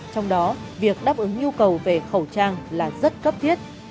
trong đó việc đáp ứng nhu cầu về khẩu trang là rất cấp thiết